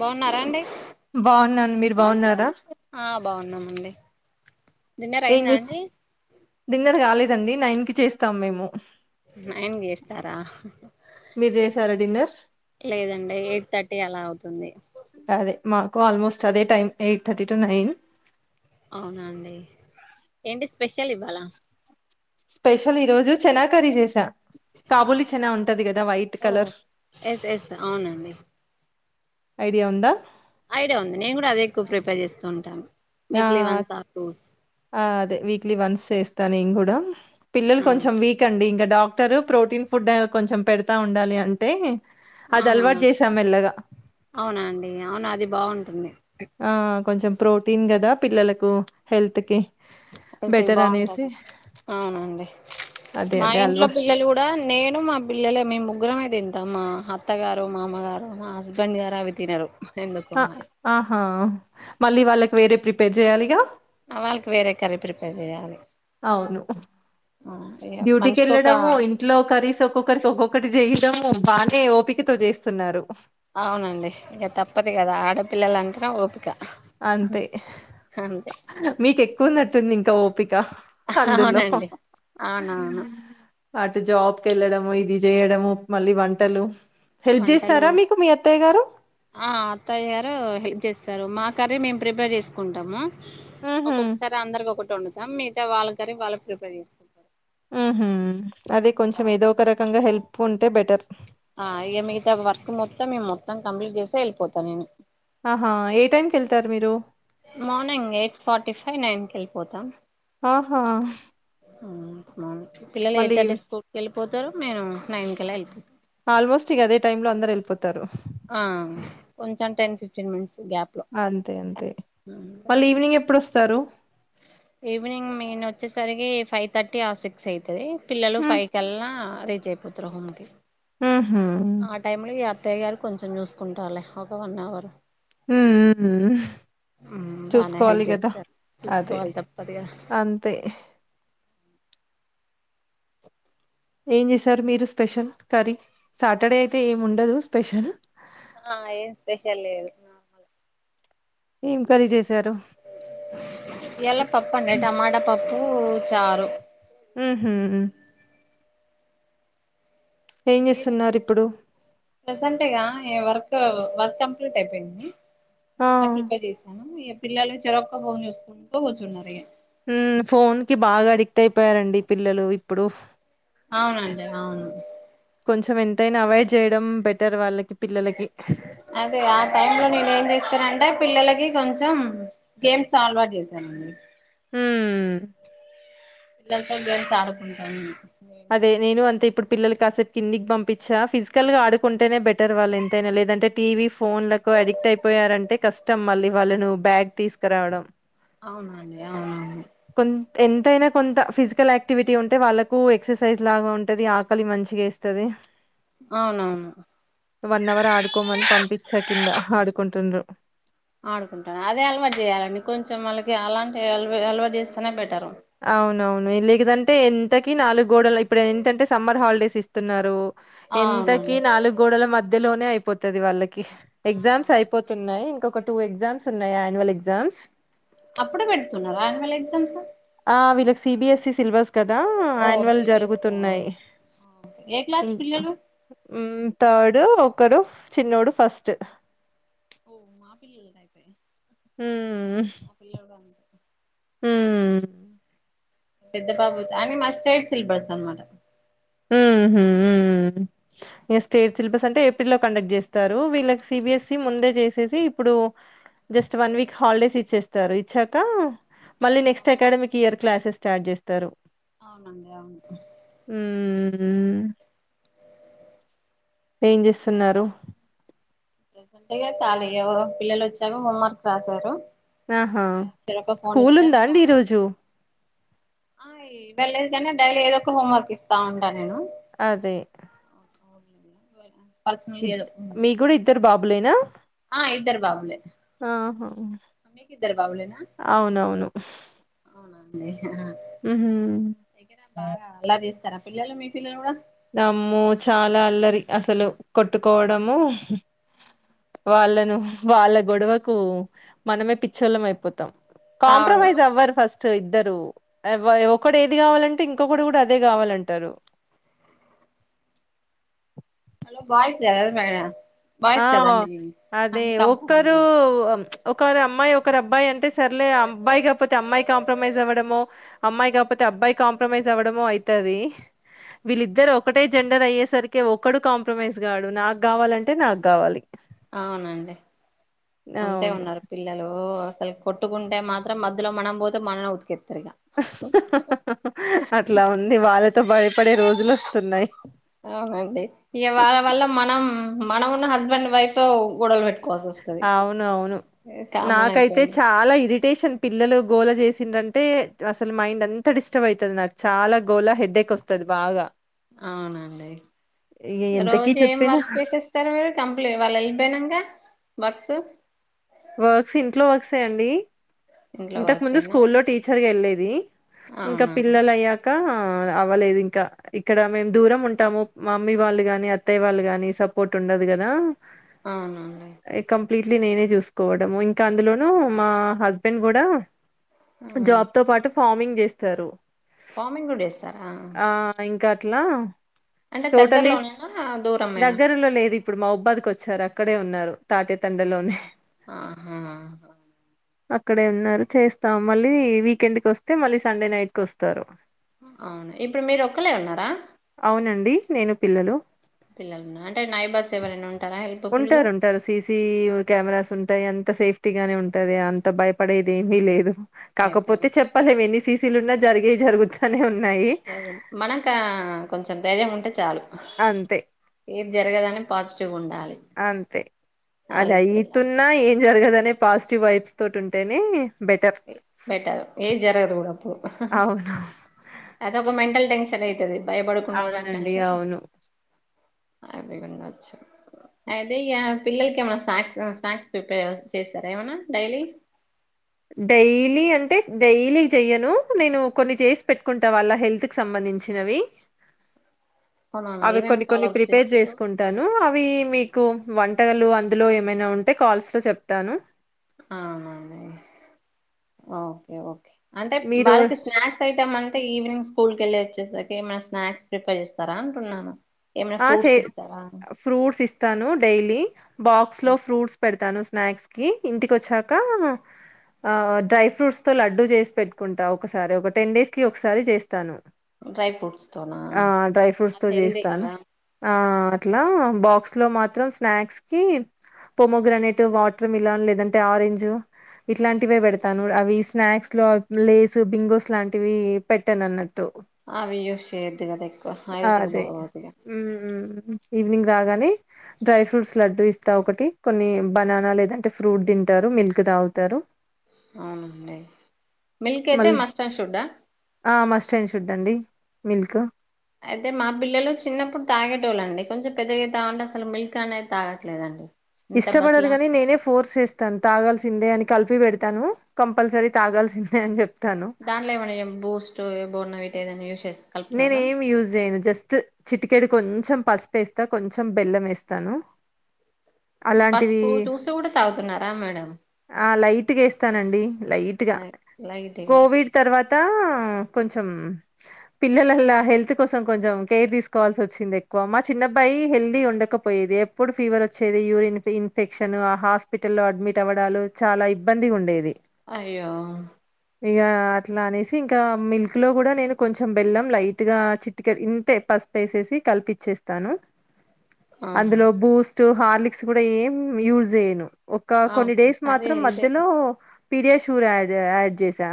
బాగున్నారా అండి బాగున్నాను మీరు బాగున్నారా ఆ బాగున్నామండి డిన్నర్ ఏం అయిందా చే అండి డిన్నర్ కాలేదండి నైన్ కి చేస్తాం మేము నయన్ గ ఇస్తారా మీరు చేసారా డిన్నర్ లేదండి ఎయిట్ థర్టీ అలా అవుతుంది అదే మాకు ఆల్మోస్ట్ అదే time eight thirty to nine అవునండి ఏంటి స్పెషల్ ఇవ్వాలా స్పెషల్ ఈ రోజు చెనా కర్రీ చేస్త కాబులి చనా ఉంటది కదా వైట్ ఓ కలర్ ఎస్ ఎస్ అవునండి ఐడియా ఉందా ఐడియా ఉంది నేను కూడా అదే ఎక్కువ ప్రిపేర్ చేస్తూ ఉంటాను ఆ వీక్లీ వన్స్ ఆర్ టూస్ అదే వీక్లీ వన్స్ చేస్తాను ఇం కూడా పిల్లలు ఆ కొంచెం వీక్ అండి ఇంకా డాక్ డాక్టర్ ప్రోటీన్ ఫుడ్ అ కొంచెం పెడతా ఉండాలి అంటే అది ఆహా అలవాటు చేసాం మెల్లగా అవునా అండి అవునా అది బాగుంటుంది ఆ కొంచెం ప్రోటీన్ కదా పిల్లలకు హెల్త్ కి అయితే బెటర్ అనేసి బాగుంటది అవునండి అదే మా అదే ఇంట్లో అల్వా పిల్లలు కూడా నేను మా పిల్లలే మీ ముగ్గురం అద ఏండి త మా అత్తగారు మా అమగారు మా హస్బెండ్ గారు అవి తినరు ఎందుకో మరి ఆహా మళ్ళీ వాళ్ళకి వేరే ప్రిపేర్ చేయాలిగా వాళ్ళకి వేరే కర ప్రిపేర్ చేయాలి అవును ఆ ఇగ డ్యూటీకి మనిషికొక వెళ్ళడము ఇంట్లో కరీస్ ఒక్కొక్కరికి ఒక్కొక్కటి చేయడం బానే ఓపికతో చేస్తున్నారు అవునండి ఇంక తప్పదు కదా ఆడపిల్లలంటనే ఓపిక అంతే అంతే మీకు ఎక్కువన్నట్టుంది ఇంకా ఓ పిక అందులో అవునండి అవునవును అటు జాబ్ క వెళ్లడము ఇది చేయడము మళ్ళీ వంటలు హెల్ప్ వంటలు జేస్తారా మీకు మీ అత్తయ్య గారు? ఆ అత్తయ్య గారు హెప్ చేస్తారు మా కర్రీ మేము ప్రిపేర్ చేసుకుంటాము హుహు. ఒక్కొక్కసారి అందరికి ఒక వడుతాంిగా వాళ్ళ కనీ వాళ్ళ ప్రిపేర్ చేసుకుంటారు ఆహ అదే కొంచెం ఏదో ఒక రకంగా హెల్ప్ ఉంటే బెటర్ ఆ ఇ మిగతా వర్క్ మొత్తం మేము మొత్తం కంప్లీట్ చేస్తే వెళ్ళిపోతాను నేను ఆహా ఏ టైమ్కి వెళ్తారు మీరు morning eight forty five nine క వెళ్ళిపోతాం ఆహా పిల్లలు మళ్ళీ ఎయిట్ ర్టీ స్కూల్ కి వెళ్ళిపోతారు నేను నైన్ కెలా వెళ్ళిపోతాను ఆల్మోస్ట్ ఇక అదే టైమ్ లో అందరు వెళ్ళిపోతారు ఆ కొంచెం టెన్ ఫిఫ్టీన్ మినిట్స్ గ్యాప్ లో అంతే అంతే మళ్ళీ ఈవినింగ్ ఎప్పుడుొస్తారు ఈవనింగ్ మీన్ వచ్చేసరికి ఫైవ్ థర్టీ ఆ సిక్స్ అయితురి పిల్లలు హ్మ్ ఫైవ్ కల్లా రీచ్ అయిపోతరు హోమికి ఊహూ ఆ టైమ్ లో ఈ అత్తయ్య గారు కొంచెం చూసుకుంటాల ఒక వన్ అవర్ హ బాగానే హెల్ప్ చూసుకోవాలి కదా చేస్తారు అదే చూసుకోవాలి తప్పదుగా అంతే ఏం చేశారు మీరు స్పెషల్ కర్రీ సాటర్డే అయితే ఏమి ఉండదు స్పెషల్ ఆ ఏన్ స్పెషల్ లేదు ఎమ్ కరి చేసి ఎలా పప్పు అడి టమాట పప్పు చారు ఆ హమ్ మీర చేస్తున్నారు ఇప్పుడు ప్రెసెంటట్గా వర్క్ వర్క్ కంప్లీట్ అయిపోయింది ఆ గన్నర్ ప్రిపేర్ చేశాను ఈ పిల్లలు చెరక్క బోని చూసుకుంటూ కూర్చున్నారు ఇ ఫోన్ కి బాగా అడిక్ట్ అయిపోయారండి పిల్లలు ఇప్పుడు అవునండి అవును స ఎంతైనా అవాయిడ్ చేయడం బెటర్ వాళ్ళకి పిల్లలకి అదే ఆ టై లో నేను ఏం తెస్తాంటే పిల్లలకి కొంచెం గేమ్స్ అలవాటు చేశానండి హ గంట గేమ్స్ ఆడుకుంటారు అదే నేను అంత ఇప్పుడు పిల్లలు కాసేపు కిందికి పంపించ ఫిజికల్ గా ఆకుంటేనే బెటర్ వాళ్ళు ఎంతైనా లేదంటే టీవీ ఫోన్లకు అడిక్ట్ అయిపోయారంటే కష్టం మళ్ళీ వాళ్ళను బ్యాగ్ తీసుకురావడం అవునండి అవును ప ఎంతైనా కొంత ఫిజికల్ యాక్టివిటీ ఉంటే వాళ్ళకు ఎక్సర్సైజ్ లాగా ఉంటది ఆకలి మంచిగా ఏస్తది అవునవును వన్ అవర్ ఆడుకోమని పంపించా కింద ఆడుకుంటుండ్రు ఆడుకుంటాను అదే అలవాటు చేయాలండి కొంచెం మళ్ళకి అలాంటి అలవాటు చేస్తేనే బెటరు అవునవును లేదంటే ఎంతకి నాలుగు గోడలు ఇప్పుడు ఏంటంటే సమ్మర్ హాలిడేస్ ఇస్తున్నారు ఎంతకి అవునండి నాలుగు గోడల మధ్యలోనే అయిపోతుది వాళ్ళకి ఆ ఎగ్జామ్స్ అయిపోతున్నాయి ఇంకొక టూ ఎగ్జామ్స్ ఉన్నాయి యాన్యువల్ ఎగ్జామ్స్ అప్పుడే పెడుతున్నారా అహవల్ ఎగ్జామ్స్ ఆ వీళ్ళకి సిబిఎస్ఈ సిలబస్ కదా ఓ యాన్యువల్ సిబిఎస్ఈ ఆ జరుగుతున్నాయి ఓకే ఏ క్లాస్ ఇ పిల్లలు త డ్ ఒకరు చిన్నోడు ఫస్ట్ ఓ మా పిల్లలు టయిపో మా పిల్ల హ పెద్ద పాబ అ మాది స్టేట్ సిలబస్ అనమాట హ స్టేట్ సిలబస్ అంటే ఏప్రిల్ లో కండక్ట్ చేస్తారు వీళ్ళకి సిబిఎస్సి ముందే చేసేసి ఇప్పుడు జస్ట్ వన్ వీక్ హాలిడేస్ ఇచ్చేస్తారు ఇచ్చాక మళ్ళీ నెక్స్ట్ అవునండి అకాడమిక్ ఇయర్ క్లాసెస్ స్టార్ట్ చేస్తారు అవునాంగా అవును ఉ ఏం చేస్తున్నారు ప్రజెంట్గా చళ పిల్లలు వచ్చాక హోంవర్క్ రాశారు ఆహా ఇగ చెరొక ఫోన్ స్కూల్ ఇచ్చా ఉందా వాళ్ళు అండి ఆడు ఈరోజు ఆ వెళ్లేదు కానీ డైలీ ఏదో ఒక హోమ్వర్క్ ఇస్తా ఉంటా నేను అదే మీ కూడా ఇద్దరు బాబులేనా ఆ ఇద్దరు బాబులు ఆహా ఇద్దరు బాబులేనా అవునవును ఆ మ్హూ. ఇక్కడ బాగా అలా చేస్తారా పిల్లలు మీ పిల్లలు కూడా నమ్ము చాలా అల్లరి అసలు కొట్టుకోవడము వాళ్ళను వాళ్ళ గొడవకు మనమే పిచ్చోళ్ళం అయిపోతాం అవును కాంప్రమైజ్ అవ్వారు ఫస్ట్ ఇద్దరు అవును. ఒకడు ఏది కావాలంటే టే ఇంకొకడు కూడా అదే కావాలంటారు హలో బయస్ ఎద మే ఆ అదే కాంప్రమైజ్ ఒక్కరు ఒకరి అమ్మాయి ఒకరు అబ్బాయి అంటే సర్లే అబ్బాయి కాకపోతే అమ్మాయి కాంప్రమైజ్ అవ్వడము అమ్మాయి కాకపోతే అబ్బాయి కాంప్రమైజ్ అవ్వడము అవుతది వీళ్ళిద్దరు ఒకటే జెండర్ అయ్యేసరికి ఒకడు కాంప్రమైజ్ గాడు నాకు కావాలంటే నాకు గావాలి. అవునండి అంతే అవును. ఉన్నారు పిల్లలు అసలు కొట్టుకుంటే మాత్రం మధ్యలో మనం పోతే మనలో ఉతికిత్ అట్లా ఉంది వాళ్ళతో భయపడే రోజులు వస్తున్నాయి అవునండి ఇక వాళ్ళ వల్ల మనం మనం ఉన్న హస్బెండ్ వైఫ్ గొడవలు పెట్టుం అవును అవును కామన్ నాకైతే అయిపోయింది చాలా ఇ ఈడిటేషన్ పిల్లలు గోల చేసిండంటే అసలు మైండ్ అంత డిస్టర్బ్ అవుతుంది నాకు చాలా గోల హెడ్ డ్డెక్ వస్తుంది బాగా అవునండి ఎంతకీ రోజు ఏం చెప్పినా వర్క్ చేసేస్తారు మీరు కంప్లీట్ వాళ్ళు వెళ్ళిపోయినాక వర్క్స్ వర్క్స్ ఇంట్లో వర్క్సేయండి ఇంట్లో ఇంతకు ముందు వర్కేనా స్కూ లో టీచర్గా వెళ్ళేది ఇంకా అవునా పిల్లల అయ్యాక అవ్వలేదు ఇంకా ఇక్కడ మేము దూరం ఉంటాము మా మమ్మీ వాళ్ళు కానీ అత్తయ్య వాళ్ళు కాని సపోర్ట్ ఉండదు కదా అవునండి కంప్లీట్లీ నేనే చూసుకోవడం ఇంకా అందులోనుూ మా హస్బెండ్ కూడా ఉమ్ జాబ్ తో పాటు ఫార్మింగ్ చేస్తారు పామింగ్ కూడా చేస్తారా ఆ ఇంకా అట్లా అంటే టోటలీ దగ్గరలోనేనా దూరమేనా దగ్గరలో లేదు ఇప్పుడు మా ఉబ్బదికి వచ్చారా అక్కడే ఉన్నారు తాటేతండలోనే ఆహా అక్కడే ఉన్నారు చేస్తాం మళ్ళీ వీకెండ్ కి వస్తే మళ్ళీ సండే నైట్ కి వస్తారు అవును ఇప్పుడు మీరు ఒక్కళ్ళే ఉన్నారా అవునండి నేను పిల్లలు పిల్లలు అంటే నాయిబౌర్స్ ఎవరైనా ఉ ఉంటారుంటారు సీసీ కెమెరాస్ ఉంటాయి అంత అంత సేఫ్టీ గానే ఉంటది అంత భయపడేది ఏమీ లేదు అయితే కాకపోతే చెప్పాలేము ఎన్ని సీసీలు ఉన్నా జరిగేవి జరగుతానే ఉంటా మనకా కొంచెం ధైర్యం ఉంటే చాలు అంతే ఏది జరగదని పాజిటివ్ ఉండాలి అంతే అది నాలెడ్జ్ అయితున్నా ఏం జరగదునే పాజిటివ్ వైబ్స్ తోటి ఉంటేనే బెటర్ బెటర్ ఏది జరగదు కూడా అప్పుడు అవును అదొక మెంటల్ టెన్షన్ చల అవుతుంది అవునండి భయపడుకున్నాడానికంటే అవును అపీ ఉండచ్చు అయితే ఇ పిల్లలకి ఏమైనా స్నాక్స్ స్నాక్స్ ప్రిపేర్ చేస్తారా ఏమనా డైలీ డైలీ అంటే డైలీ చెయను నేను కొన్ని చేసి పెట్టుకుంటా వాళ్ళ హెల్త్ కి సంబంధించినవి వి అవునవును అవి ఏమేమి కొన్ని ఫాలో కొన్ని అప్ ప్రిపేర్ చేస్తారు చేసుకుంటాను అవి అవి మీకు వంటకాలు అందులో ఏమైనా ఉంటే కాల్స్ లో చెప్తాను ఆహా ఓకే ఓకే అంటే మీరు బాలకృష్ణ సైతామాన్ అంటే ఈవినింగ్ స్కూల్ కి వెళ్ళి వచ్చేసారికి ఏమైనా స్నాక్ ప్రిపేర్ చేస్తారా అంటున్నాను ఏమైనా ఆ చే ఫ్రూట్స్ ఇస్తారా ఫ్రూట్స్ ఇస్తాను డైలీ బాక్స్ లో ఫ్రూట్స్ పెడతాను స్నాక్స్ కి ఇంటికి వచ్చాక ఆ డ్రై ఫ్రూట్స్ తో లడ్డుూ చేసి పెట్టుకుంటా ఒకసారి ఒక టెన్ డేస్ కి ఒకసారి చేస్తాను డ్రై ఫ్రూట్స్ తోనా ఆ డ్రై ఫ్రూట్స్ అది తో హెల్దీ చేస్తాను కదా ఆ అట్లా బాక్స్ లో మాత్రం స్నాక్స్ కి పోమోగ్రానేట్ వాటర్ మిలన్ లేదంటే ఆరెంజ్ ఇట్లాంటివే పెడతాను అవి స్నాక్స్ లో లేస్ బింగోస్ లాంటివి పెట్టాను అన్నట్టు అవి యూస్ చేయద్దు కదా ఎక్కువ హెల్త్ కు బాగోదుగా హు ఉ ఈవినింగ్ రాగానే డ్రై ఫ్రూట్స్ లడ్డుూ ఇస్తా ఒకటి కొన్ని బనానా లేదంటే ఫ్రూట్ తింటారు మిల్క్ తాగుతారు అవునండి మిల్క్ అయితే మళ్ళీ మస్ట్ అండ్ షుడ్ ఆ ఆ మాస్టన్ షుడ్ అండి మిల్క్ అయితే మా పిల్లలు చిన్నప్పుడు తాగేటోళ్ళండి కొంచెం పెద్దగా తాగంటే అసలు మిల్క్ అనేది తాగట్లేదండి ఇంత ఇష్టపడరు బతిలా కాని నేనే ఫోర్స్ చేస్తా ను తాగాల్సిందే అని కలిపి పెడతాను కంపల్సరీ తాగాల్సిందే అని చెప్తా దాంట్లో ఏమన్నా బూస్ట్ బోన్ వీటా ఏదైనా యూస్ చేస్తా నేను ఏమి యూజ్ చేయను జస్ట్ చిటికెడు కొంచెం పసుపు వేస్తా కొంచెం బెల్లం వేస్తాను పసుపు చూసి కూడా తాగుతున్నారా మేడం ఆ లైట్ గా వేస్తానండి లైట్ గా అయ్ లైట్గా కోవిడ్ తర్వాత తా కొంచెం పిల్లలల్ల హెల్త్ కోసం కొంచెం కేర్ తీసుకోవాల్సి వచ్చింది ఎక్కువ మా చిన్న అబ్బాయి హెల్దిగా ఉండకపోయేది ఎప్పుడు ఫీవర్ వచ్చేది యూరిన్ ఇన్ఫెక్షన్ ఆ హాస్పిటల్లో అడ్మిట్ అవ్వడాలు చాలా ఇబ్బందిగా ఉండేది అయ్యో ఇగ అట్లా అనేసి ఇంకా మిల్క్ లో కూడా నేను కొంచెం బెల్లం లైట్ గా చిటికెడు ఇంతే పసుపు వేసేసి కల్పించేస్తాను ఆ అందులో బూస్ట్ హార్లిక్స్ కూడా ఏం యూజ్ చేయను ఒక కొన్ని అవును డేస్ అదే మాత్రం హెల్తే మధ్యలో పీడియా షూర్ యాడ్ యాడ్ చేసా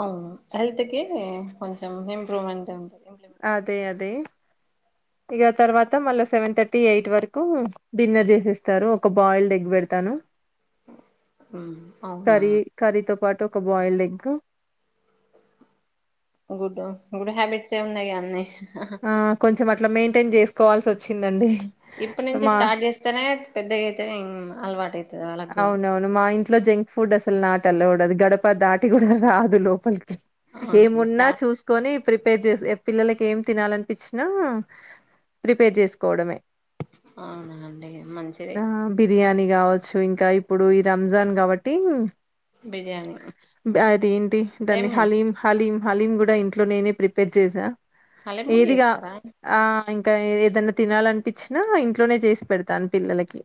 అవును హెల్త్ కి కొంచెం ఇంప్రూవ్మెంట్ ఉంటుంది ఇంప్లిమెంట్ అదే అది ఇగ తర్వాత మళ్ళా సెవెన్ థర్టీ ఎయిట్ వరకు డిన్నర్ చేసేస్తారు ఒక బాయిల్ ఎగ్ పెడతాను హ్మ్. అవునా కర్రీ కర్రీ తో పాటు ఒక్కో ఒక్క boil egg good good habits ఏ ఉన్నాయి గా అన్నీ ఆ కొంచెం అట్లా మెయింటైన్ చేసుకోవాల్సి వచ్చిందండి ఇప్పుటి నుంచి మా స్టార్ట్ చేస్తేనే పెద్దగా అయితే అలవాటైతది అవునవును మా ఇంట్లో జంక్ ఫుడ్ అసలు నాట్ అలావుడ్ గడప దాటి కూడా రాదు లోపలికి అవునండి ఏమున్నా చా చూసుకొని ప్రిపేర్ చేసి పిల్లలకి ఏం తినాలనిపించినా ప్రిపేర్ చేసుకోవడమే అవునాండి మంచిదే ఆ బిర్యానీ కావచ్చు ఇంకా ఇప్పుడు ఈ రంజాన్ కాబట్టి బిర్యానీ అది ఏంటి దాన్ని సేమ్యా హలీం హలీం హలీం కూడా ఇంట్లో నేనే ప్రిపేర్ చేసా హలీం కూడా ఏది కావ చేస్తారా ఆ ఇంకా ఏది ఏదన్నా తినాలనిపించినా ఇంట్లోనే చేసి పెడతాను పిల్లలకి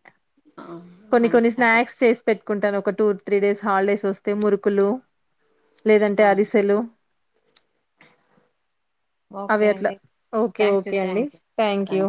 కొన్ని మంచి కొన్ని హ్యాబిట్ స్నాక్స్ చేసి పెట్టుకుంటాను ఒక టూ త్రీ డేస్ హాలిడేస్ వస్తే మురుకులు లేదంటే అరిసెలు ఓకే అవి అట్లా అండి ఓకే థ్యాంక్ యూ ఓకే అండి థ్యాంక్ యూ థ్యాంక్ యూ